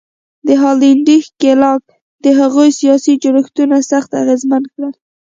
د هالنډي ښکېلاک د هغوی سیاسي جوړښتونه سخت اغېزمن کړل.